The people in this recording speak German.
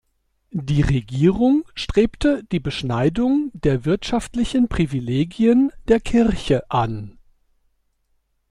Die Regierung strebte die Beschneidung der wirtschaftlichen Privilegien der Kirche an.